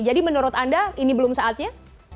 jadi menurut anda ini belum saatnya